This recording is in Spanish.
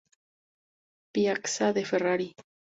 Piazza De Ferrari.